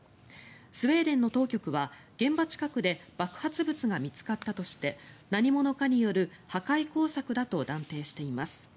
スウェーデンの当局は現場近くで爆発物が見つかったとして何者かによる破壊工作だと断定しています。